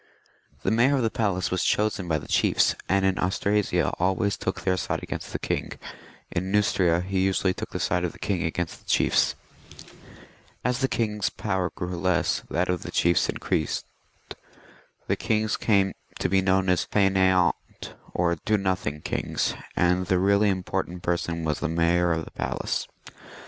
The Mayor df the Palace was chosen by the chiefs, and in Austrasia always took their side against the king ; in Keustria he usually took the side of the king against the chiefs. As the kings' power grew less, that of the chiefs increased; the kings came to be known as Faineant or Do nothing kings, and the really important person was the Mayor of the Palace.